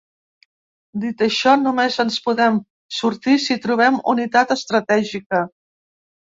Dit això, només ens en podem sortir si trobem unitat estratègica.